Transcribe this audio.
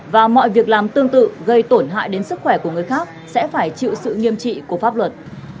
và mọi việc làm tương tự gây tổn hại đến sức khỏe của người khác sẽ phải chịu sự nghiêm trị của pháp luật